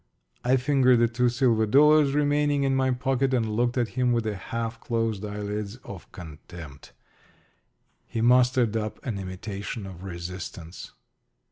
I fingered the two silver dollars remaining in my pocket and looked at him with the half closed eyelids of contempt. He mustered up an imitation of resistance.